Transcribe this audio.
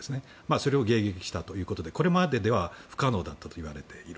それを迎撃したということでこれまでは不可能だったといわれている。